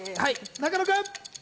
中野君。